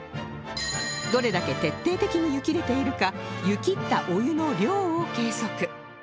どれだけ徹底的に湯切れているか湯切ったお湯の量を計測